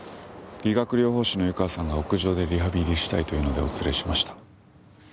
理学療法士の湯川さんが屋上でリハビリしたいと言うのでお連れしました。